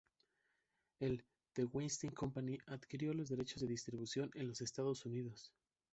El "The Weinstein Company" adquirió los derechos de distribución en los Estados Unidos.